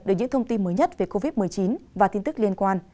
đến những thông tin mới nhất về covid một mươi chín và tin tức liên quan